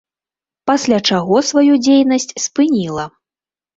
Пасля чаго сваю дзейнасць спыніла.